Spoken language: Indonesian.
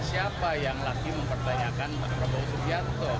siapa yang lagi mempertanyakan pak prabowo subianto